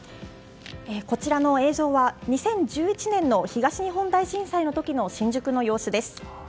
こちらの映像は２０１１年の東日本大震災の時の新宿の様子です。